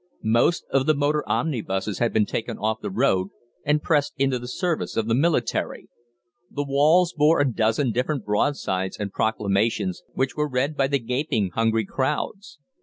Most of the motor omnibuses had been taken off the road and pressed into the service of the military. The walls bore a dozen different broadsides and proclamations, which were read by the gaping, hungry crowds.